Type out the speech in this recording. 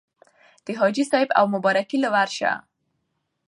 د حاجي صېب اومبارکۍ له ورشه